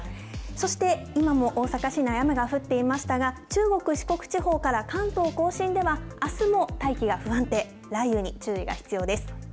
そして、今も大阪市内、雨が降っていましたが、中国、四国地方から関東甲信では、あすも大気が不安定、雷雨に注意が必要です。